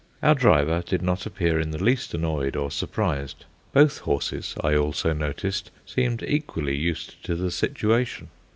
Our driver did not appear in the least annoyed or surprised; both horses, I also, noticed, seemed equally used to the situation.